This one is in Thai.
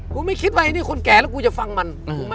ไม่คิดว่าไอ้นี่คนแก่แล้วกูจะฟังมัน